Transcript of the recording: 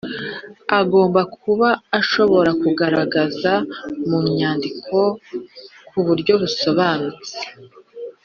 Agomba kuba ashoboye kugaragaza mu nyandiko ku buryo busobanutse